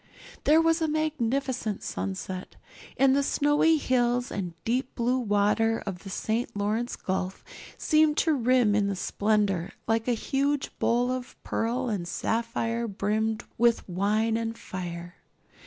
There was a magnificent sunset, and the snowy hills and deep blue water of the St. Lawrence Gulf seemed to rim in the splendor like a huge bowl of pearl and sapphire brimmed with wine and fire.